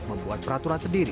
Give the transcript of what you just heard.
membuat peraturan sendiri